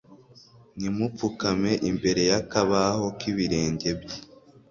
nimupfukame imbere y'akabaho k'ibirenge bye